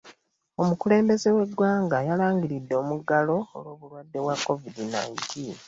Omukulembeze we ggwanga yalangiridde omuggalo olw'obulwadde bwa covid nineteen.